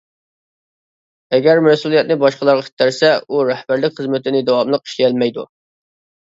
ئەگەر مەسئۇلىيەتنى باشقىلارغا ئىتتەرسە ئۇ رەھبەرلىك خىزمىتىنى داۋاملىق ئىشلىيەلمەيدۇ.